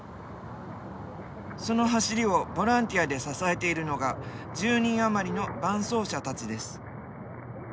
その走りをボランティアで支えているのが１０人余りの伴走者たちです。